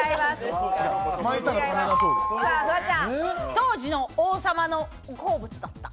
当時の王様の好物だった。